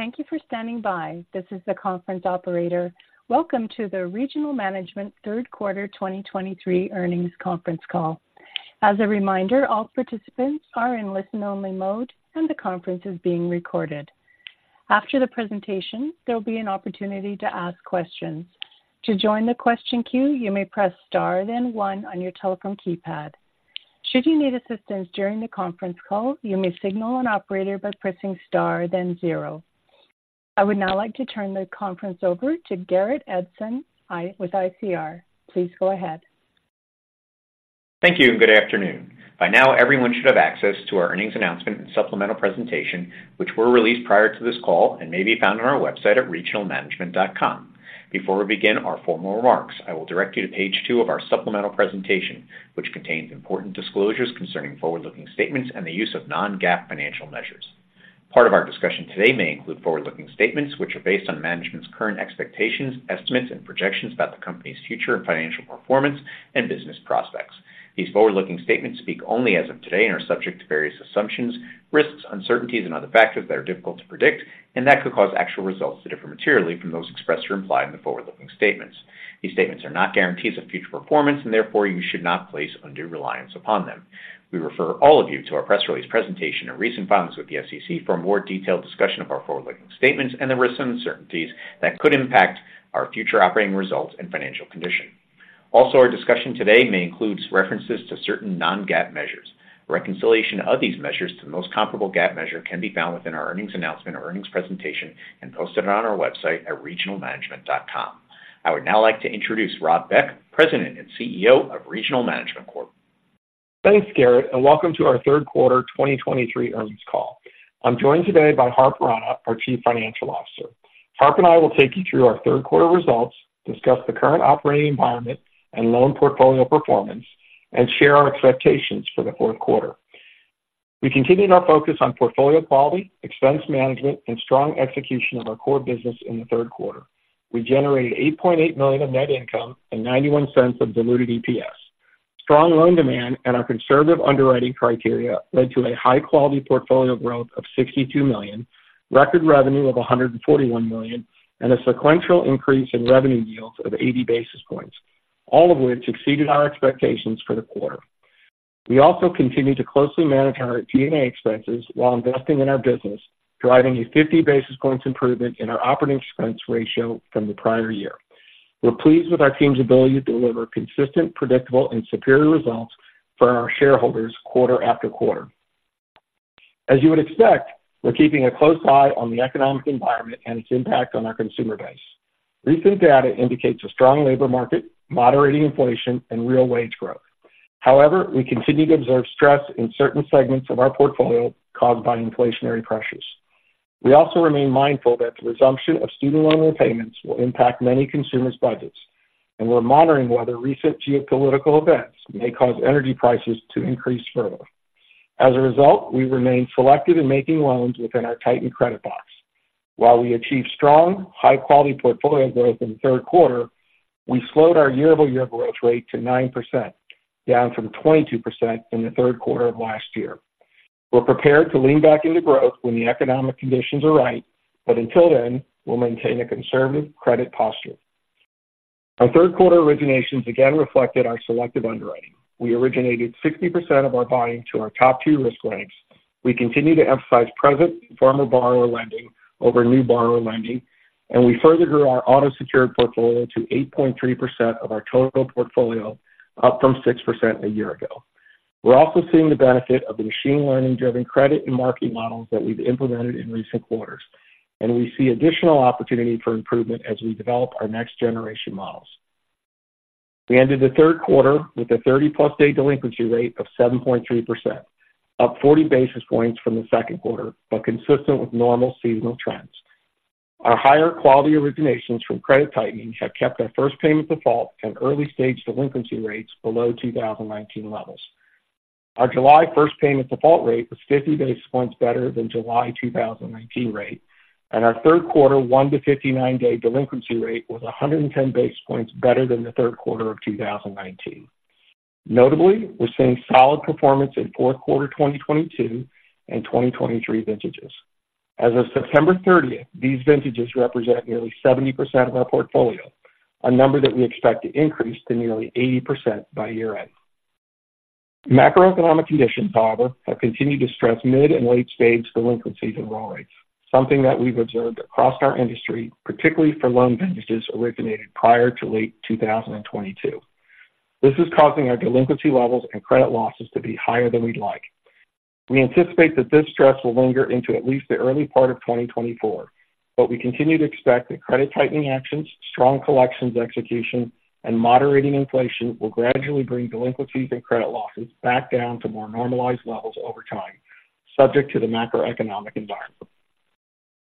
Thank you for standing by. This is the conference operator. Welcome to the Regional Management Third Quarter 2023 Earnings conference call. As a reminder, all participants are in listen-only mode, and the conference is being recorded. After the presentation, there will be an opportunity to ask questions. To join the question queue, you may press star, then one on your telecom keypad. Should you need assistance during the conference call, you may signal an operator by pressing star, then zero. I would now like to turn the conference over to Garrett Edson with ICR. Please go ahead. Thank you, and good afternoon. By now, everyone should have access to our earnings announcement and supplemental presentation, which were released prior to this call and may be found on our website at regionalmanagement.com. Before we begin our formal remarks, I will direct you to page two of our supplemental presentation, which contains important disclosures concerning forward-looking statements and the use of Non-GAAP financial measures. Part of our discussion today may include forward-looking statements, which are based on management's current expectations, estimates, and projections about the company's future and financial performance and business prospects. These forward-looking statements speak only as of today and are subject to various assumptions, risks, uncertainties, and other factors that are difficult to predict and that could cause actual results to differ materially from those expressed or implied in the forward-looking statements. These statements are not guarantees of future performance, and therefore you should not place undue reliance upon them. We refer all of you to our press release presentation and recent filings with the SEC for a more detailed discussion of our forward-looking statements and the risks and uncertainties that could impact our future operating results and financial condition. Also, our discussion today may include references to certain non-GAAP measures. Reconciliation of these measures to the most comparable GAAP measure can be found within our earnings announcement or earnings presentation and posted on our website at regionalmanagement.com. I would now like to introduce Rob Beck, President and CEO of Regional Management Corp. Thanks, Garrett, and welcome to our third quarter 2023 earnings call. I'm joined today by Harp Rana, our Chief Financial Officer. Harp and I will take you through our third quarter results, discuss the current operating environment and loan portfolio performance, and share our expectations for the fourth quarter. We continued our focus on portfolio quality, expense management, and strong execution of our core business in the third quarter. We generated $8.8 million of net income and $0.91 of diluted EPS. Strong loan demand and our conservative underwriting criteria led to a high-quality portfolio growth of $62 million, record revenue of $141 million, and a sequential increase in revenue yields of 80 basis points, all of which exceeded our expectations for the quarter. We also continued to closely manage our G&A expenses while investing in our business, driving a 50 basis points improvement in our operating expense ratio from the prior year. We're pleased with our team's ability to deliver consistent, predictable, and superior results for our shareholders quarter after quarter. As you would expect, we're keeping a close eye on the economic environment and its impact on our consumer base. Recent data indicates a strong labor market, moderating inflation, and real wage growth. However, we continue to observe stress in certain segments of our portfolio caused by inflationary pressures. We also remain mindful that the resumption of student loan repayments will impact many consumers' budgets, and we're monitoring whether recent geopolitical events may cause energy prices to increase further. As a result, we remain selective in making loans within our tightened credit box. While we achieved strong, high-quality portfolio growth in the third quarter, we slowed our year-over-year growth rate to 9%, down from 22% in the third quarter of last year. We're prepared to lean back into growth when the economic conditions are right, but until then, we'll maintain a conservative credit posture. Our third quarter originations again reflected our selective underwriting. We originated 60% of our buying to our top two risk ranks. We continue to emphasize present and former borrower lending over new borrower lending, and we further grew our auto-secured portfolio to 8.3% of our total portfolio, up from 6% a year ago. We're also seeing the benefit of the machine learning-driven credit and marketing models that we've implemented in recent quarters, and we see additional opportunity for improvement as we develop our next-generation models. We ended the third quarter with a 30+ day delinquency rate of 7.3%, up 40 basis points from the second quarter, but consistent with normal seasonal trends. Our higher-quality originations from credit tightening have kept our first payment default and early-stage delinquency rates below 2019 levels. Our July first payment default rate was 50 basis points better than July 2019 rate, and our third quarter one to 59-day delinquency rate was 110 basis points better than the third quarter of 2019. Notably, we're seeing solid performance in fourth quarter 2022 and 2023 vintages. As of September 30, these vintages represent nearly 70% of our portfolio, a number that we expect to increase to nearly 80% by year-end. Macroeconomic conditions, however, have continued to stress mid- and late-stage delinquencies and roll rates, something that we've observed across our industry, particularly for loan vintages originated prior to late 2022. This is causing our delinquency levels and credit losses to be higher than we'd like. We anticipate that this stress will linger into at least the early part of 2024, but we continue to expect that credit tightening actions, strong collections execution, and moderating inflation will gradually bring delinquencies and credit losses back down to more normalized levels over time, subject to the macroeconomic environment.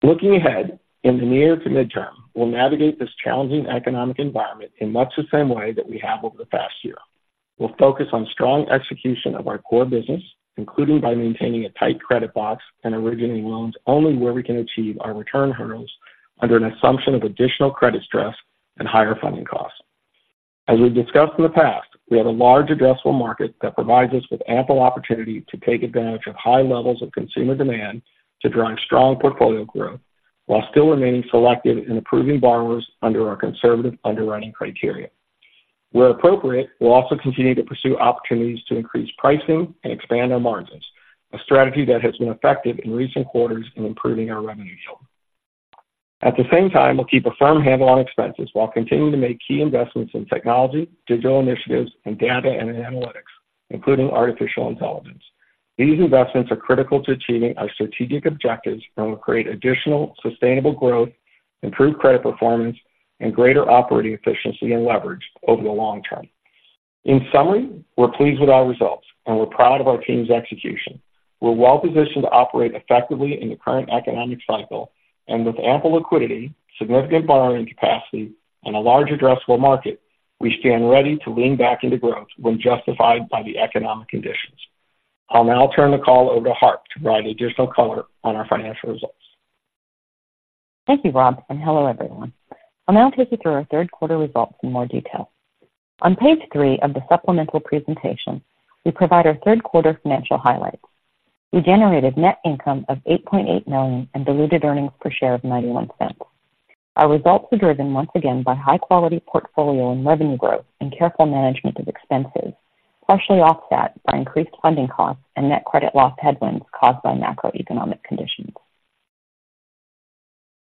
Looking ahead, in the near to midterm, we'll navigate this challenging economic environment in much the same way that we have over the past year. We'll focus on strong execution of our core business, including by maintaining a tight credit box and originating loans only where we can achieve our return hurdles under an assumption of additional credit stress and higher funding costs. As we've discussed in the past, we have a large addressable market that provides us with ample opportunity to take advantage of high levels of consumer demand to drive strong portfolio growth, while still remaining selective in approving borrowers under our conservative underwriting criteria. Where appropriate, we'll also continue to pursue opportunities to increase pricing and expand our margins, a strategy that has been effective in recent quarters in improving our revenue yield. At the same time, we'll keep a firm handle on expenses while continuing to make key investments in technology, digital initiatives, and data and analytics, including artificial intelligence. These investments are critical to achieving our strategic objectives and will create additional sustainable growth, improved credit performance, and greater operating efficiency and leverage over the long term. In summary, we're pleased with our results, and we're proud of our team's execution. We're well-positioned to operate effectively in the current economic cycle, and with ample liquidity, significant borrowing capacity, and a large addressable market, we stand ready to lean back into growth when justified by the economic conditions. I'll now turn the call over to Harp to provide additional color on our financial results. Thank you, Rob, and hello, everyone. I'll now take you through our third quarter results in more detail. On page three of the supplemental presentation, we provide our third quarter financial highlights. We generated net income of $8.8 million and diluted earnings per share of $0.91. Our results were driven once again by high-quality portfolio and revenue growth and careful management of expenses, partially offset by increased funding costs and net credit loss headwinds caused by macroeconomic conditions.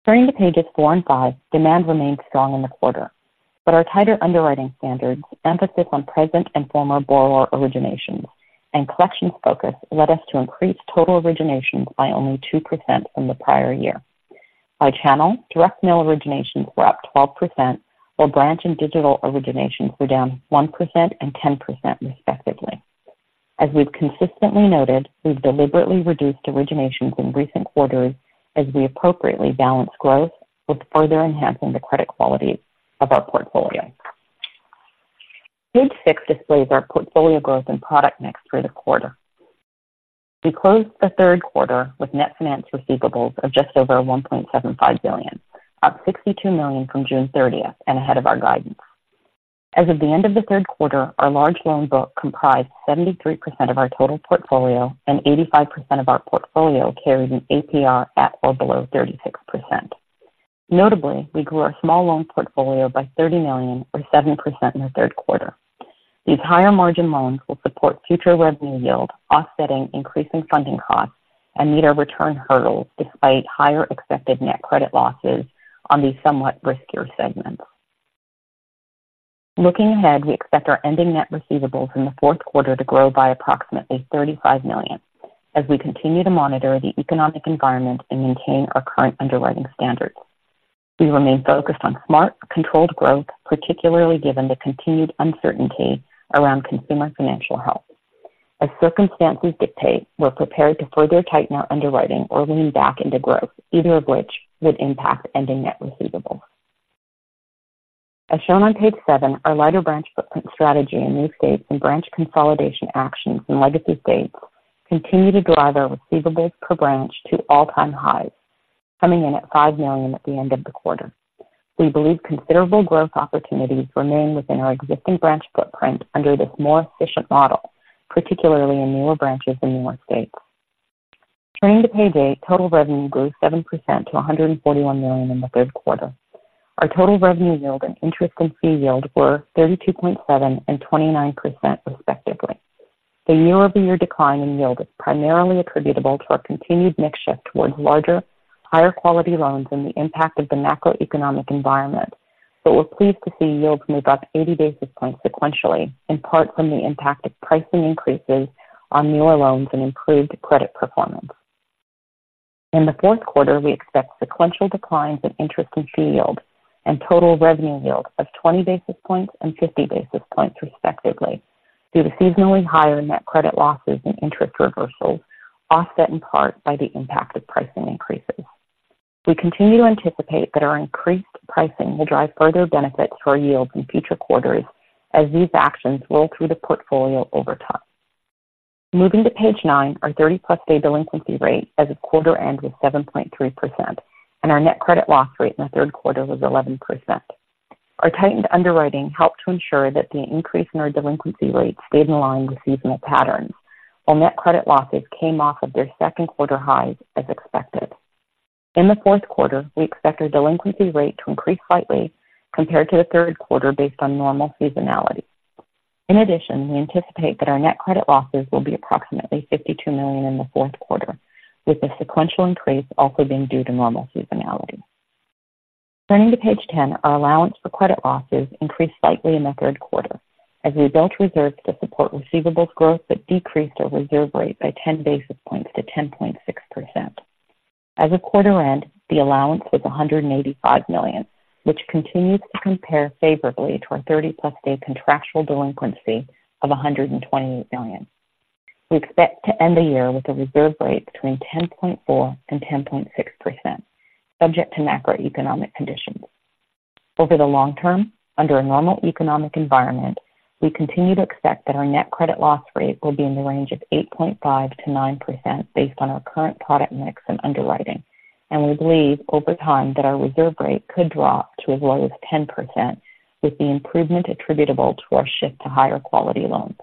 Turning to pages four and five, demand remained strong in the quarter, but our tighter underwriting standards, emphasis on present and former borrower originations, and collections focus led us to increase total originations by only 2% from the prior year. By channel, direct mail originations were up 12%, while branch and digital originations were down 1% and 10%, respectively. As we've consistently noted, we've deliberately reduced originations in recent quarters as we appropriately balance growth with further enhancing the credit quality of our portfolio. Page six displays our portfolio growth and product mix through the quarter. We closed the third quarter with net finance receivables of just over $1.75 billion, up $62 million from June 30, and ahead of our guidance. As of the end of the third quarter, our large loan book comprised 73% of our total portfolio, and 85% of our portfolio carried an APR at or below 36%. Notably, we grew our small loan portfolio by $30 million, or 7% in the third quarter. These higher-margin loans will support future revenue yield, offsetting increasing funding costs and meet our return hurdles, despite higher expected net credit losses on these somewhat riskier segments. Looking ahead, we expect our ending net receivables in the fourth quarter to grow by approximately $35 million as we continue to monitor the economic environment and maintain our current underwriting standards. We remain focused on smart, controlled growth, particularly given the continued uncertainty around consumer financial health. As circumstances dictate, we're prepared to further tighten our underwriting or lean back into growth, either of which would impact ending net receivables. As shown on page seven, our lighter branch footprint strategy in new states and branch consolidation actions in legacy states continue to drive our receivables per branch to all-time highs, coming in at $5 million at the end of the quarter. We believe considerable growth opportunities remain within our existing branch footprint under this more efficient model, particularly in newer branches in newer states. Turning to page eight, total revenue grew 7% to $141 million in the third quarter. Our total revenue yield and interest and fee yield were 32.7% and 29%, respectively. The year-over-year decline in yield is primarily attributable to our continued mix shift towards larger, higher-quality loans and the impact of the macroeconomic environment. But we're pleased to see yields move up 80 basis points sequentially, in part from the impact of pricing increases on newer loans and improved credit performance. In the fourth quarter, we expect sequential declines in interest and fee yield and total revenue yield of 20 basis points and 50 basis points, respectively, due to seasonally higher net credit losses and interest reversals, offset in part by the impact of pricing increases. We continue to anticipate that our increased pricing will drive further benefits to our yields in future quarters as these actions roll through the portfolio over time. Moving to page nine, our 30+ day delinquency rate as of quarter end was 7.3%, and our net credit loss rate in the third quarter was 11%. Our tightened underwriting helped to ensure that the increase in our delinquency rate stayed in line with seasonal patterns, while net credit losses came off of their second quarter highs as expected. In the fourth quarter, we expect our delinquency rate to increase slightly compared to the third quarter based on normal seasonality. In addition, we anticipate that our net credit losses will be approximately $52 million in the fourth quarter, with the sequential increase also being due to normal seasonality. Turning to page 10, our allowance for credit losses increased slightly in the third quarter as we built reserves to support receivables growth, but decreased our reserve rate by 10 basis points to 10.6%. As of quarter end, the allowance was $185 million, which continues to compare favorably to our 30+ day contractual delinquency of $128 million. We expect to end the year with a reserve rate between 10.4% and 10.6%, subject to macroeconomic conditions. Over the long term, under a normal economic environment. We continue to expect that our net credit loss rate will be in the range of 8.5%-9% based on our current product mix and underwriting. We believe over time, that our reserve rate could drop to as low as 10%, with the improvement attributable to our shift to higher quality loans.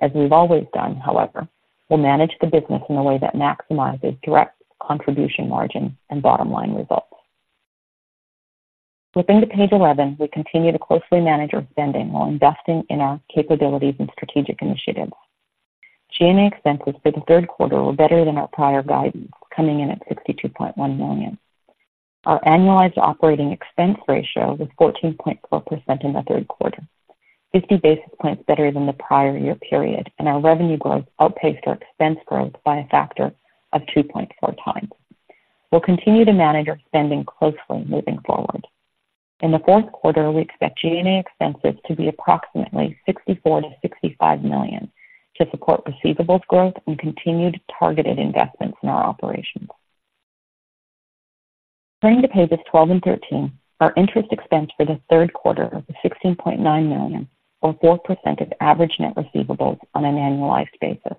As we've always done, however, we'll manage the business in a way that maximizes direct contribution margin and bottom line results. Flipping to page 11. We continue to closely manage our spending while investing in our capabilities and strategic initiatives. G&A expenses for the third quarter were better than our prior guidance, coming in at $62.1 million. Our annualized operating expense ratio was 14.4% in the third quarter, 50 basis points better than the prior year period, and our revenue growth outpaced our expense growth by a factor of 2.4 times. We'll continue to manage our spending closely moving forward. In the fourth quarter, we expect G&A expenses to be approximately $64 million-$65 million to support receivables growth and continued targeted investments in our operations. Turning to pages 12 and 13. Our interest expense for the third quarter was $16.9 million, or 4% of average net receivables on an annualized basis.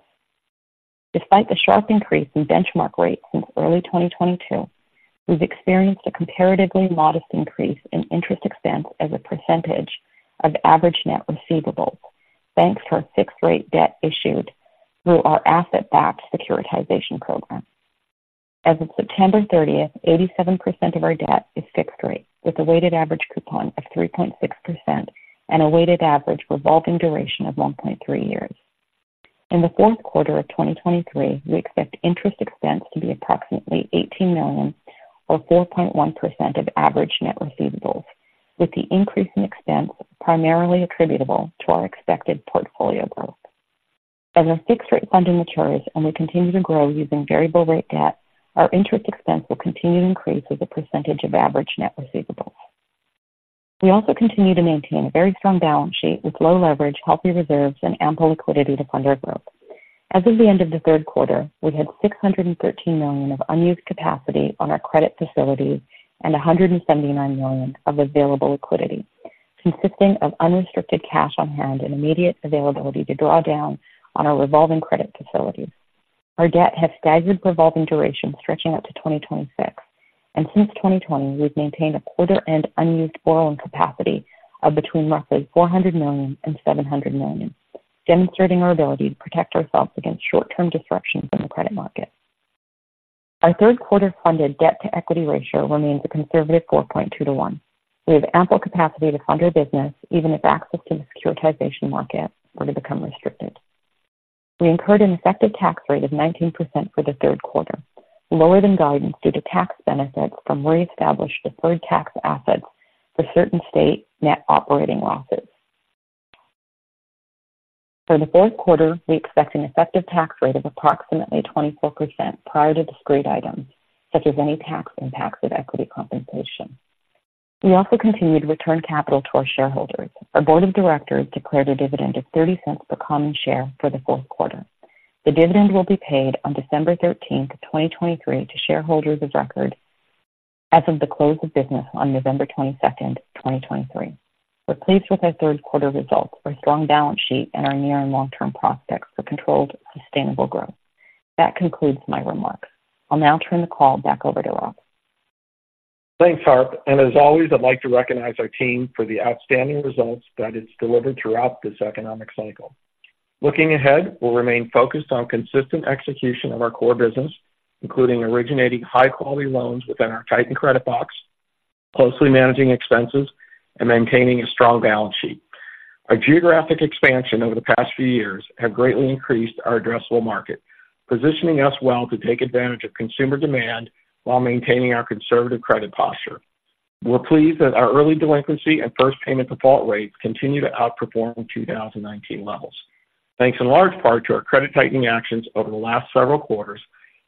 Despite the sharp increase in benchmark rates since early 2022, we've experienced a comparatively modest increase in interest expense as a percentage of average net receivables, thanks to our fixed rate debt issued through our asset-backed securitization program. As of September 30th, 87% of our debt is fixed rate, with a weighted average coupon of 3.6% and a weighted average revolving duration of 1.3 years. In the fourth quarter of 2023, we expect interest expense to be approximately $18 million, or 4.1% of average net receivables, with the increase in expense primarily attributable to our expected portfolio growth. As our fixed rate funding matures and we continue to grow using variable rate debt, our interest expense will continue to increase as a percentage of average net receivables. We also continue to maintain a very strong balance sheet with low leverage, healthy reserves, and ample liquidity to fund our growth. As of the end of the third quarter, we had $613 million of unused capacity on our credit facilities and $179 million of available liquidity, consisting of unrestricted cash on hand and immediate availability to draw down on our revolving credit facilities. Our debt has staggered revolving duration stretching out to 2026, and since 2020, we've maintained a quarter-end unused borrowing capacity of between roughly $400 million and $700 million, demonstrating our ability to protect ourselves against short-term disruptions in the credit market. Our third quarter funded debt-to-equity ratio remains a conservative 4.2 to 1. We have ample capacity to fund our business, even if access to the securitization market were to become restricted. We incurred an effective tax rate of 19% for the third quarter, lower than guidance, due to tax benefits from reestablished deferred tax assets for certain state net operating losses. For the fourth quarter, we expect an effective tax rate of approximately 24% prior to discrete items, such as any tax impacts of equity compensation. We also continued to return capital to our shareholders. Our board of directors declared a dividend of $0.30 per common share for the fourth quarter. The dividend will be paid on December thirteenth, 2023, to shareholders of record as of the close of business on November twenty-second, 2023. We're pleased with our third quarter results, our strong balance sheet, and our near and long-term prospects for controlled, sustainable growth. That concludes my remarks. I'll now turn the call back over to Rob. Thanks, Harp, and as always, I'd like to recognize our team for the outstanding results that it's delivered throughout this economic cycle. Looking ahead, we'll remain focused on consistent execution of our core business, including originating high-quality loans within our tightened credit box, closely managing expenses, and maintaining a strong balance sheet. Our geographic expansion over the past few years have greatly increased our addressable market, positioning us well to take advantage of consumer demand while maintaining our conservative credit posture. We're pleased that our early delinquency and first payment default rates continue to outperform 2019 levels, thanks in large part to our credit tightening actions over the last several quarters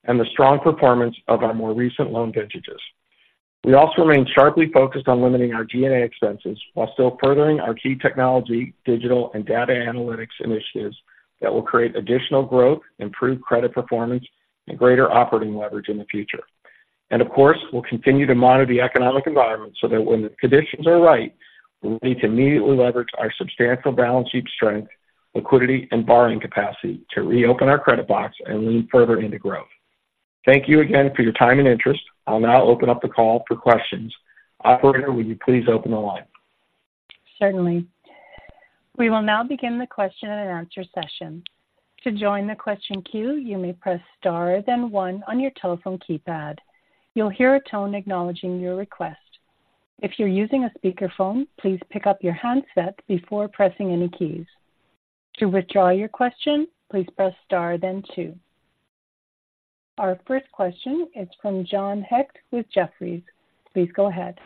and the strong performance of our more recent loan vintages. We also remain sharply focused on limiting our G&A expenses while still furthering our key technology, digital, and data analytics initiatives that will create additional growth, improved credit performance, and greater operating leverage in the future. Of course, we'll continue to monitor the economic environment so that when the conditions are right, we'll need to immediately leverage our substantial balance sheet strength, liquidity, and borrowing capacity to reopen our credit box and lean further into growth. Thank you again for your time and interest. I'll now open up the call for questions. Operator, will you please open the line? Certainly. We will now begin the question-and-answer session. To join the question queue, you may press star, then one on your telephone keypad. You'll hear a tone acknowledging your request. If you're using a speakerphone, please pick up your handset before pressing any keys. To withdraw your question, please press star, then two. Our first question is from John Hecht with Jefferies. Please go ahead.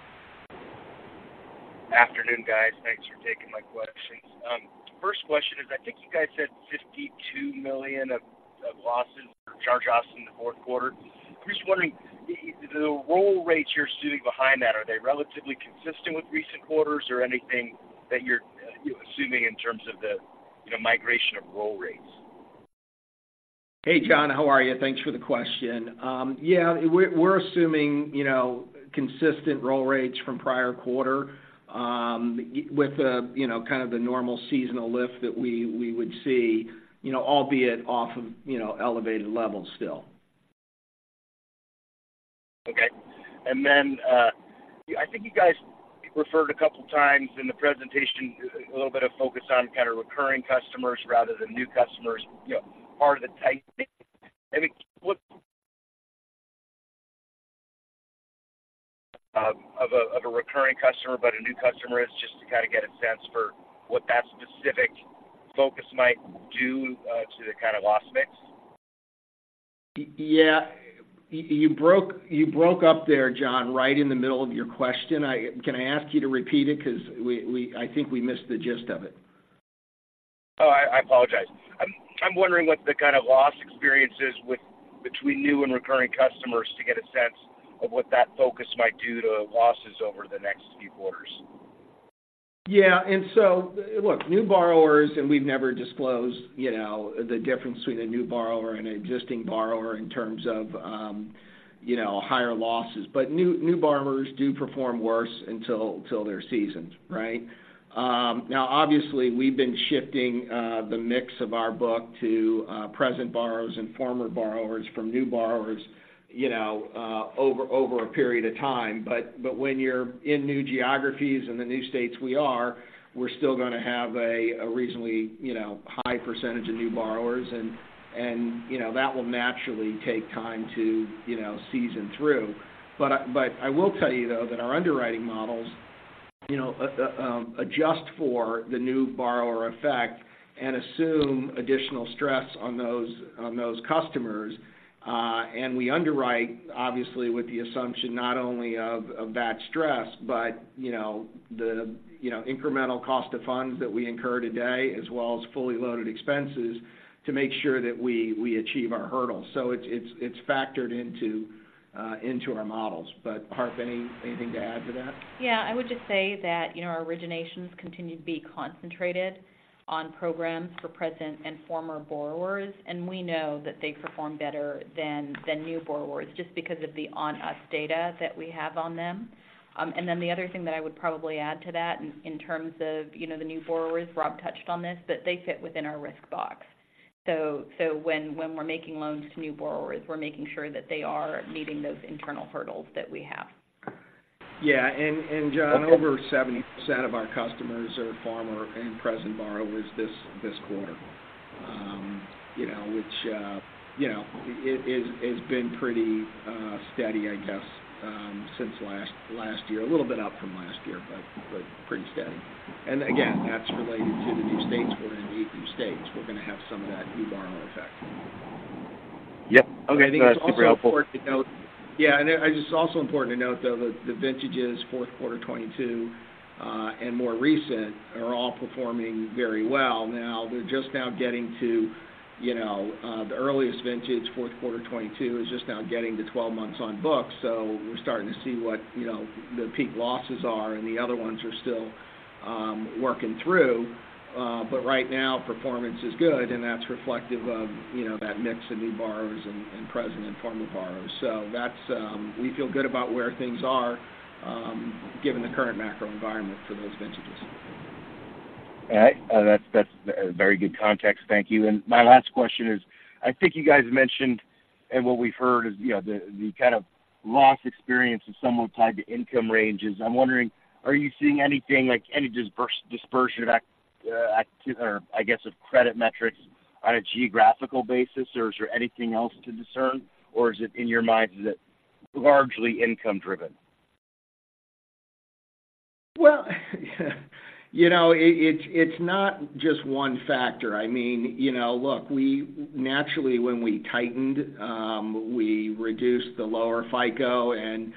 Afternoon, guys. Thanks for taking my questions. First question is, I think you guys said $52 million of losses or charge-offs in the fourth quarter. I'm just wondering, the roll rates you're assuming behind that, are they relatively consistent with recent quarters or anything that you're assuming in terms of the, you know, migration of roll rates? Hey, John, how are you? Thanks for the question. Yeah, we're assuming, you know, consistent roll rates from prior quarter, with the, you know, kind of the normal seasonal lift that we would see, you know, albeit off of, you know, elevated levels still. Okay. And then, I think you guys referred a couple of times in the presentation, a little bit of focus on kind of recurring customers rather than new customers, you know, part of the type. I mean, what, of a, of a recurring customer, but a new customer is just to kind of get a sense for what that specific focus might do, to the kind of loss mix. Yeah. You broke up there, John, right in the middle of your question. Can I ask you to repeat it? Because we, I think we missed the gist of it. Oh, I apologize. I'm wondering what the kind of loss experience is with between new and recurring customers to get a sense of what that focus might do to losses over the next few quarters. Yeah, and so, look, new borrowers, and we've never disclosed, you know, the difference between a new borrower and an existing borrower in terms of, you know, higher losses. But new borrowers do perform worse until they're seasoned, right? Now, obviously, we've been shifting the mix of our book to present borrowers and former borrowers from new borrowers, you know, over a period of time. But when you're in new geographies and the new states we are, we're still gonna have a reasonably, you know, high percentage of new borrowers, and, you know, that will naturally take time to, you know, season through. But I will tell you, though, that our underwriting models, you know, adjust for the new borrower effect and assume additional stress on those customers. And we underwrite, obviously, with the assumption not only of that stress, but you know the incremental cost of funds that we incur today, as well as fully loaded expenses, to make sure that we achieve our hurdles. So it's factored into our models. But, Harp, anything to add to that? Yeah, I would just say that, you know, our originations continue to be concentrated on programs for present and former borrowers, and we know that they perform better than new borrowers just because of the on-us data that we have on them. And then the other thing that I would probably add to that, in terms of, you know, the new borrowers, Rob touched on this, that they fit within our risk box. So when we're making loans to new borrowers, we're making sure that they are meeting those internal hurdles that we have. Yeah, and John, over 70% of our customers are former and present borrowers this quarter. You know, which, you know, it, it's been pretty steady, I guess, since last year. A little bit up from last year, but pretty steady. And again, that's related to the new states. We're in eight new states. We're gonna have some of that new borrower effect. Yep. Okay, that's super helpful. Yeah, and it's also important to note, though, that the vintages, fourth quarter 2022, and more recent, are all performing very well. Now, they're just now getting to, you know, the earliest vintage, fourth quarter 2022, is just now getting to 12 months on books, so we're starting to see what, you know, the peak losses are, and the other ones are still working through. But right now, performance is good, and that's reflective of, you know, that mix of new borrowers and present and former borrowers. So that's... We feel good about where things are, given the current macro environment for those vintages. All right. That's, that's very good context. Thank you. And my last question is, I think you guys mentioned, and what we've heard is, you know, the, the kind of loss experience is somewhat tied to income ranges. I'm wondering, are you seeing anything, like, any dispersion or I guess, of credit metrics on a geographical basis, or is there anything else to discern? Or is it, in your minds, is it largely income driven? Well, you know, it's not just one factor. I mean, you know, look, we naturally, when we tightened, we reduced the lower FICO and,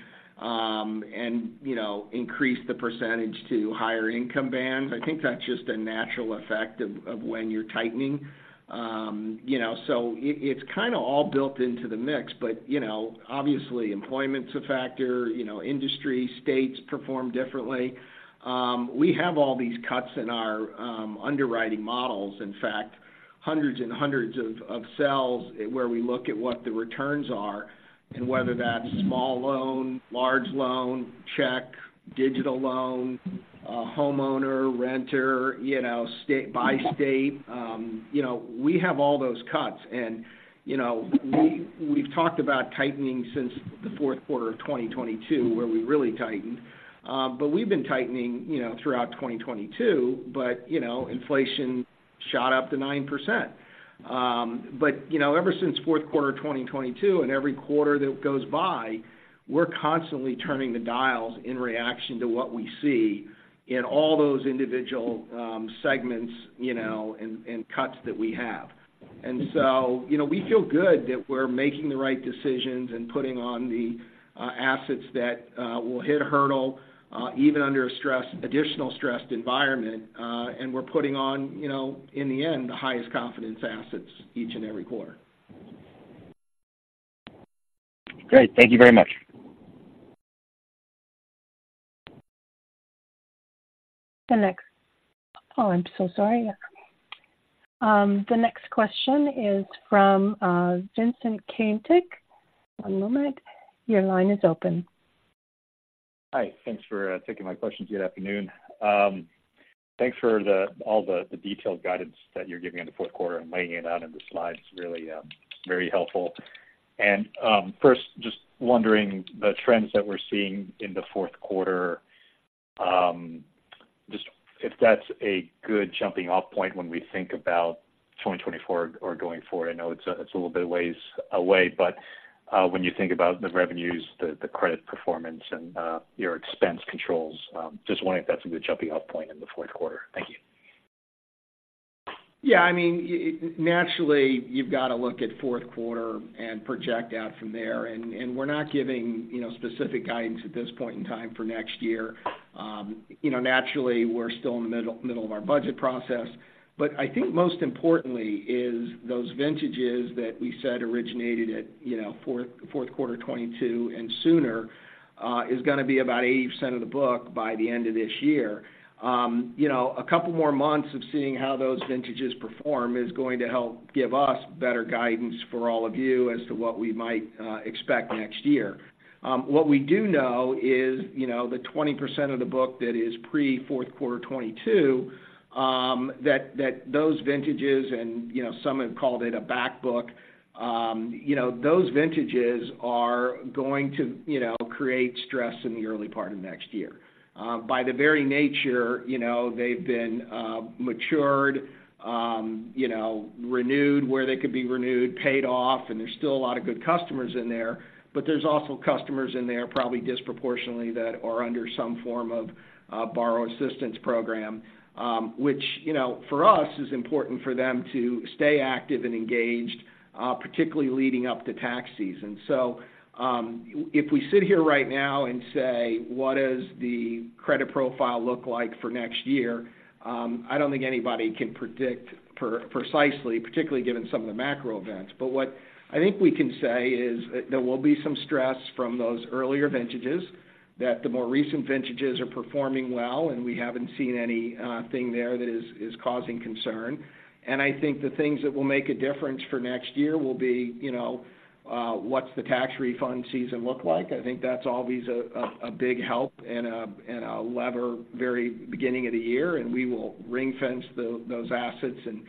you know, increased the percentage to higher income bands. I think that's just a natural effect of when you're tightening. You know, so it's kind of all built into the mix, but you know, obviously, employment's a factor, you know, industry, states perform differently. We have all these cuts in our underwriting models, in fact, hundreds and hundreds of cells where we look at what the returns are and whether that's small loan, large loan, check, digital loan, homeowner, renter, you know, state by state. You know, we have all those cuts. And, you know, we've talked about tightening since the fourth quarter of 2022, where we really tightened. But we've been tightening, you know, throughout 2022, but, you know, inflation shot up to 9%. But, you know, ever since fourth quarter of 2022, and every quarter that goes by, we're constantly turning the dials in reaction to what we see in all those individual segments, you know, and cuts that we have. And so, you know, we feel good that we're making the right decisions and putting on the assets that will hit a hurdle even under a stress additional stressed environment, and we're putting on, you know, in the end, the highest confidence assets each and every quarter. Great. Thank you very much. The next. Oh, I'm so sorry. The next question is from Vincent Caintic. One moment. Your line is open. Hi. Thanks for taking my questions. Good afternoon. Thanks for all the detailed guidance that you're giving in the fourth quarter and laying it out in the slides, really very helpful. First, just wondering, the trends that we're seeing in the fourth quarter, just if that's a good jumping-off point when we think about 2024 or going forward. I know it's a little bit ways away, but when you think about the revenues, the credit performance, and your expense controls, just wondering if that's a good jumping-off point in the fourth quarter. Thank you. Yeah, I mean, naturally, you've got to look at fourth quarter and project out from there, and we're not giving, you know, specific guidance at this point in time for next year. You know, naturally, we're still in the middle of our budget process. But I think most importantly is those vintages that we said originated at, you know, fourth quarter 2022 and sooner, is gonna be about 80% of the book by the end of this year. You know, a couple more months of seeing how those vintages perform is going to help give us better guidance for all of you as to what we might expect next year. What we do know is, you know, the 20% of the book that is pre-fourth quarter 2022, that those vintages and, you know, some have called it a back book, you know, those vintages are going to, you know, create stress in the early part of next year. By the very nature, you know, they've been matured, you know, renewed, where they could be renewed, paid off, and there's still a lot of good customers in there. But there's also customers in there, probably disproportionately, that are under some form of borrower assistance program, which, you know, for us, is important for them to stay active and engaged, particularly leading up to tax season. So, if we sit here right now and say: What does the credit profile look like for next year? I don't think anybody can predict precisely, particularly given some of the macro events. But what I think we can say is there will be some stress from those earlier vintages, that the more recent vintages are performing well, and we haven't seen anything there that is causing concern. And I think the things that will make a difference for next year will be, you know, what's the tax refund season look like? I think that's always a big help and a lever very beginning of the year, and we will ring-fence those assets and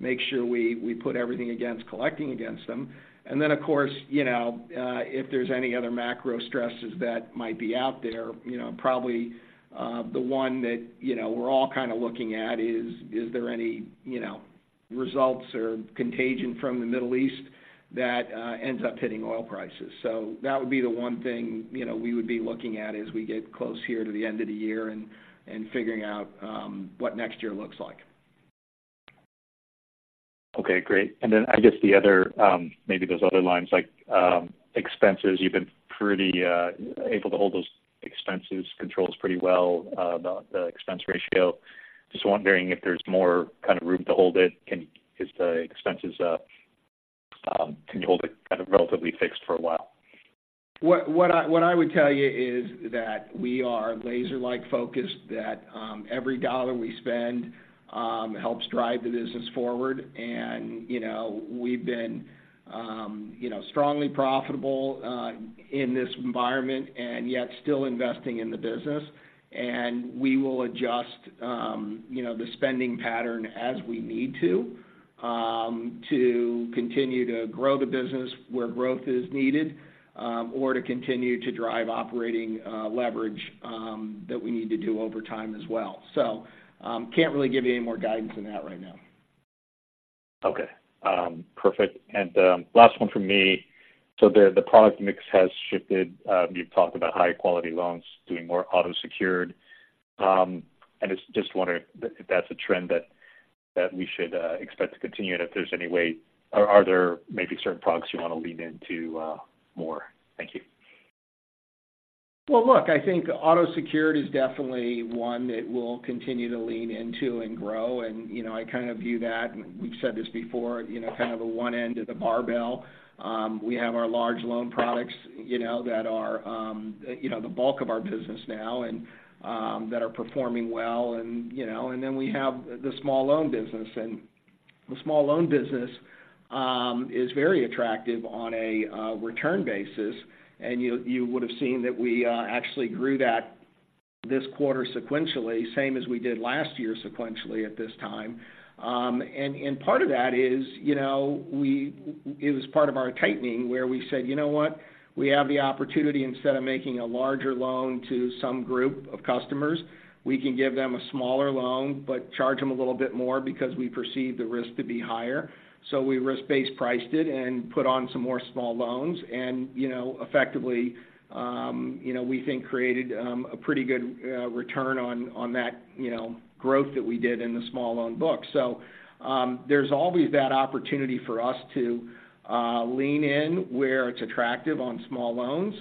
make sure we put everything against collecting against them. Then, of course, you know, if there's any other macro stresses that might be out there, you know, probably the one that, you know, we're all kind of looking at is: Is there any, you know, results or contagion from the Middle East that ends up hitting oil prices? So that would be the one thing, you know, we would be looking at as we get close here to the end of the year and figuring out what next year looks like. Okay, great. And then I guess the other maybe those other lines, like, expenses. You've been pretty able to hold those expenses controls pretty well, the expense ratio. Just wondering if there's more kind of room to hold it. Can you hold it kind of relatively fixed for a while? What I would tell you is that we are laser-like focused, that every dollar we spend helps drive the business forward. And, you know, we've been, you know, strongly profitable in this environment and yet still investing in the business. And we will adjust, you know, the spending pattern as we need to, to continue to grow the business where growth is needed, or to continue to drive operating leverage that we need to do over time as well. So, can't really give you any more guidance than that right now. Okay, perfect. And, last one from me. So the product mix has shifted. You've talked about higher quality loans, doing more auto secured. And it's just wondering if that's a trend that we should expect to continue and if there's any way or are there maybe certain products you want to lean into more? Thank you. Well, look, I think auto secured is definitely one that we'll continue to lean into and grow, and, you know, I kind of view that, and we've said this before, you know, kind of a one end of the barbell. We have our large loan products, you know, that are, you know, the bulk of our business now and, that are performing well, and, you know, and then we have the small loan business. And the small loan business is very attractive on a return basis, and you would have seen that we actually grew that this quarter sequentially, same as we did last year sequentially at this time. And part of that is, you know, it was part of our tightening, where we said: You know what? We have the opportunity, instead of making a larger loan to some group of customers, we can give them a smaller loan but charge them a little bit more because we perceive the risk to be higher. So we risk-based priced it and put on some more small loans and, you know, effectively, you know, we think created a pretty good return on, on that, you know, growth that we did in the small loan book. So, there's always that opportunity for us to lean in where it's attractive on small loans.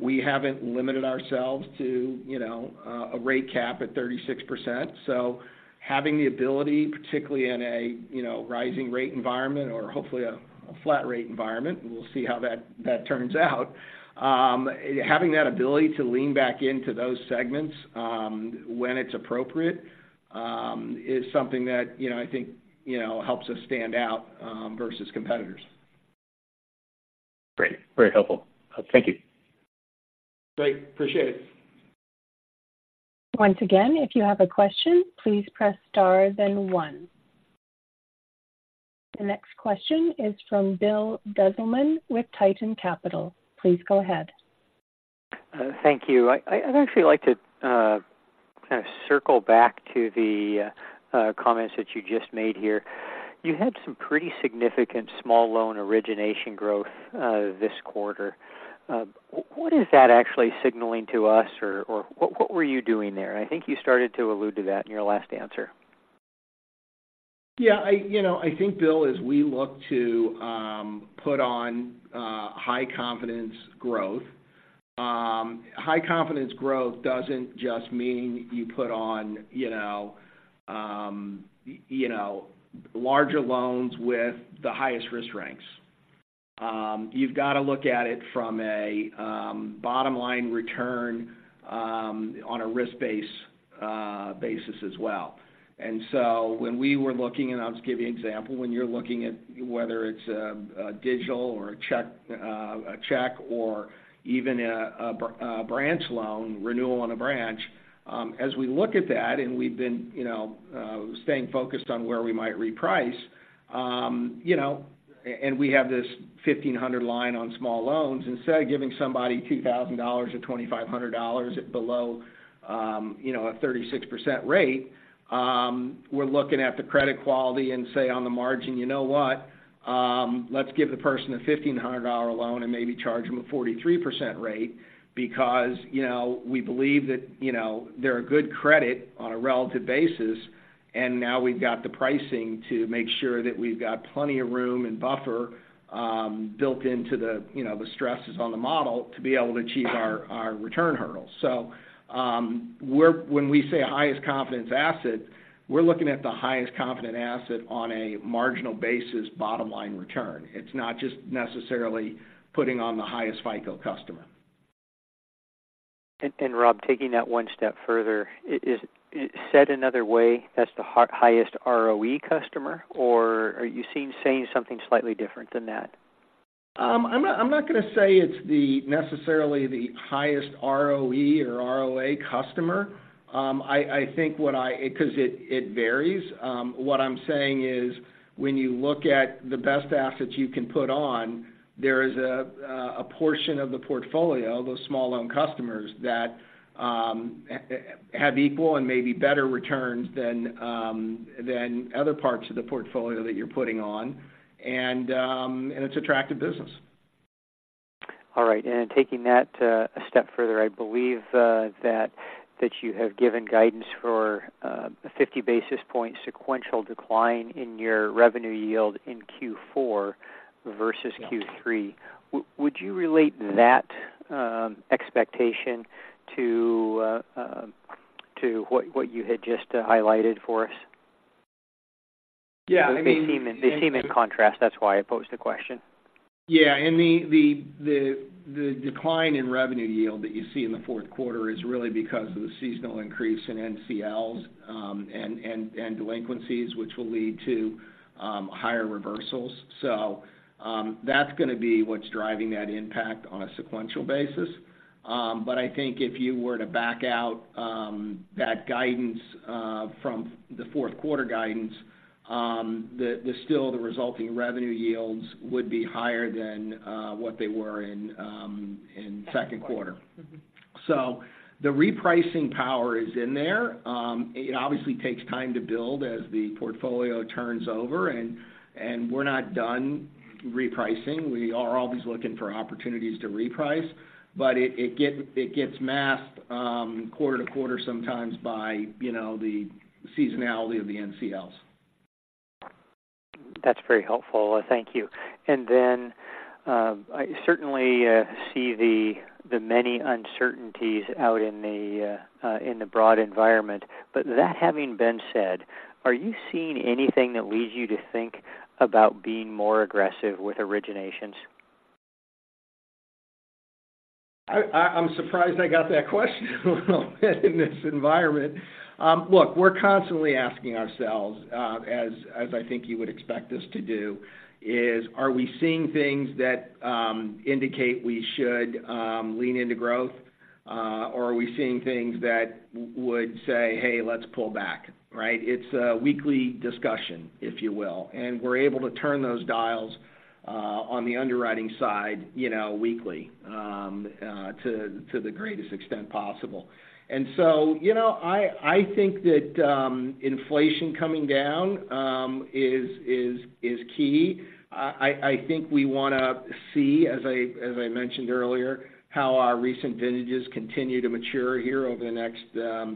We haven't limited ourselves to, you know, a rate cap at 36%, so having the ability, particularly in a, you know, rising rate environment or hopefully a flat rate environment, and we'll see how that turns out. Having that ability to lean back into those segments, when it's appropriate, is something that, you know, I think, you know, helps us stand out, versus competitors. Great. Very helpful. Thank you. Great, appreciate it. Once again, if you have a question, please press Star then One. The next question is from Bill Dezellem with Tieton Capital Management. Please go ahead. Thank you. I'd actually like to kind of circle back to the comments that you just made here. You had some pretty significant small loan origination growth this quarter. What is that actually signaling to us, or what were you doing there? I think you started to allude to that in your last answer. Yeah, you know, I think, Bill, as we look to put on high confidence growth, high confidence growth doesn't just mean you put on, you know, larger loans with the highest risk ranks. You've got to look at it from a bottom line return on a risk-based basis as well. So when we were looking, and I'll just give you an example, when you're looking at whether it's a digital or a check, a check or even a branch loan, renewal on a branch, as we look at that, and we've been, you know, staying focused on where we might reprice, you know, and we have this 1,500 line on small loans, instead of giving somebody $2,000 or $2,500 at below, you know, a 36% rate, we're looking at the credit quality and say on the margin, "You know what? Let's give the person a $1,500 loan and maybe charge them a 43% rate," because, you know, we believe that, you know, they're a good credit on a relative basis, and now we've got the pricing to make sure that we've got plenty of room and buffer, built into the, you know, the stresses on the model to be able to achieve our return hurdles. So, when we say highest confidence asset, we're looking at the highest confident asset on a marginal basis, bottom line return. It's not just necessarily putting on the highest FICO customer. And Rob, taking that one step further, said another way, that's the highest ROE customer, or are you saying something slightly different than that? I'm not, I'm not gonna say it's necessarily the highest ROE or ROA customer. I think what I, because it varies. What I'm saying is, when you look at the best assets you can put on, there is a portion of the portfolio, those small loan customers that have equal and maybe better returns than other parts of the portfolio that you're putting on, and it's attractive business. All right, and taking that a step further, I believe that you have given guidance for a 50 basis point sequential decline in your revenue yield in Q4 versus- Yeah Q3. Would you relate that expectation to what you had just highlighted for us? Yeah, I mean- They seem in contrast, that's why I posed the question. Yeah, and the decline in revenue yield that you see in the fourth quarter is really because of the seasonal increase in NCLs, and delinquencies, which will lead to higher reversals. So, that's gonna be what's driving that impact on a sequential basis. But I think if you were to back out that guidance from the fourth quarter guidance, still the resulting revenue yields would be higher than what they were in second quarter. Mm-hmm. So the repricing power is in there. It obviously takes time to build as the portfolio turns over, and we're not done repricing. We are always looking for opportunities to reprice, but it gets masked quarter to quarter, sometimes by, you know, the seasonality of the NCLs. That's very helpful. Thank you. Then, I certainly see the many uncertainties out in the broad environment. But that having been said, are you seeing anything that leads you to think about being more aggressive with originations? I'm surprised I got that question, in this environment. Look, we're constantly asking ourselves, as I think you would expect us to do, are we seeing things that indicate we should lean into growth? Or are we seeing things that would say, Hey, let's pull back. Right? It's a weekly discussion, if you will, and we're able to turn those dials on the underwriting side, you know, weekly to the greatest extent possible. So, you know, I think that inflation coming down is key. I think we want to see, as I mentioned earlier, how our recent vintages continue to mature here over the next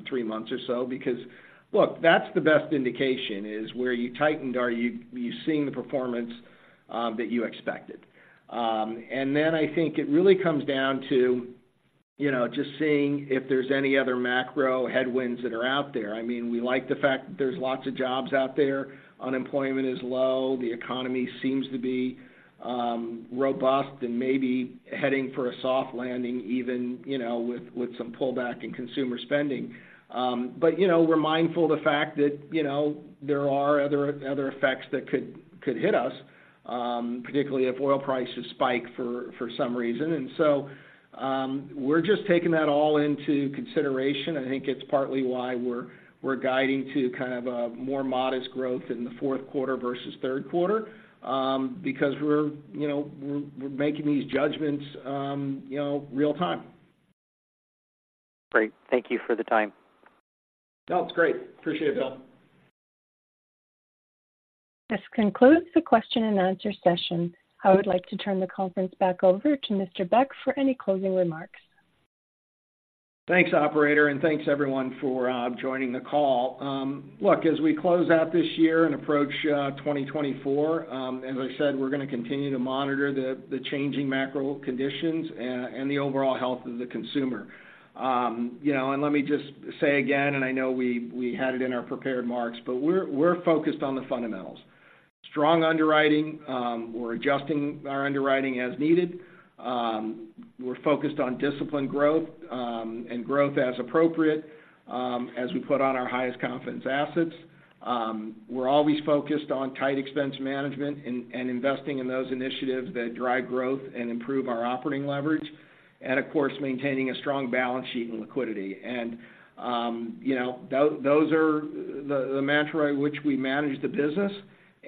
three months or so, because, look, that's the best indication, is where you tightened, are you seeing the performance that you expected? And then I think it really comes down to you know, just seeing if there's any other macro headwinds that are out there. I mean, we like the fact that there's lots of jobs out there. Unemployment is low, the economy seems to be robust and maybe heading for a soft landing, even, you know, with some pullback in consumer spending. But, you know, we're mindful of the fact that, you know, there are other effects that could hit us, particularly if oil prices spike for some reason. And so, we're just taking that all into consideration. I think it's partly why we're guiding to kind of a more modest growth in the fourth quarter versus third quarter, because we're, you know, making these judgments, you know, real-time. Great. Thank you for the time. No, it's great. Appreciate it, Bill. This concludes the question-and-answer session. I would like to turn the conference back over to Mr. Beck for any closing remarks. Thanks, operator, and thanks everyone for joining the call. Look, as we close out this year and approach 2024, as I said, we're gonna continue to monitor the changing macro conditions and the overall health of the consumer. You know, and let me just say again, and I know we had it in our prepared remarks, but we're focused on the fundamentals. Strong underwriting, we're adjusting our underwriting as needed. We're focused on disciplined growth, and growth as appropriate, as we put on our highest confidence assets. We're always focused on tight expense management and investing in those initiatives that drive growth and improve our operating leverage, and of course, maintaining a strong balance sheet and liquidity. You know, those are the mantra in which we manage the business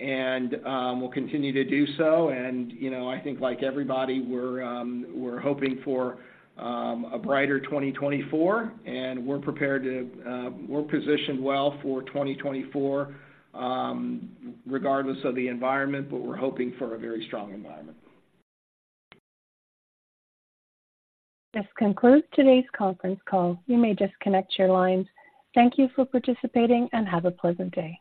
and we'll continue to do so. You know, I think, like everybody, we're hoping for a brighter 2024, and we're prepared to, we're positioned well for 2024, regardless of the environment, but we're hoping for a very strong environment. This concludes today's conference call. You may disconnect your lines. Thank you for participating, and have a pleasant day.